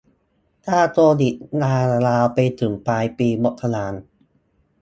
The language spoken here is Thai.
ถ้าโควิดลาไปถึงปลายปีงบประมาณ